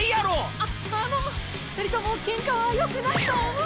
ああの２人ともケンカはよくないと思う。